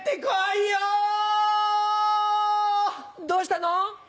どうしたの？